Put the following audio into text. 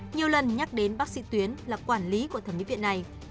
nhiều lần nhắc đến bác sĩ tuyến là quản lý của các khách hàng